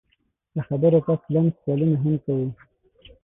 له خبرو پس لنډ سوالونه هم کوو